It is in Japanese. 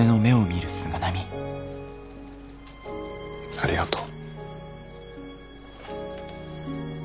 ありがとう。